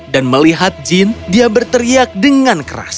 dan melihat jin dia berteriak dengan keras